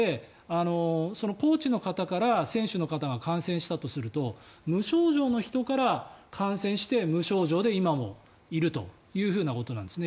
コーチの方から選手の方が感染したとすると無症状の人から感染して無症状で今もいるというふうなことなんですね。